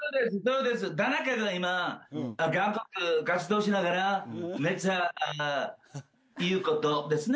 タナカが今、韓国活動しながら、めっちゃ言うことですね。